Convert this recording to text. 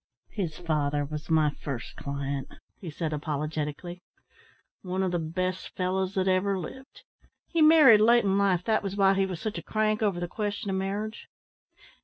"His father was my first client," he said apologetically. "One of the best fellows that ever lived. He married late in life, that was why he was such a crank over the question of marriage.